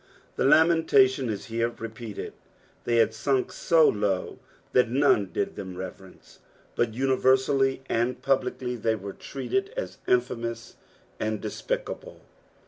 The lamentation is here repeated. "They had sunk so low that none did them reverence, but universally and publicly they were treated as infamous and despicable.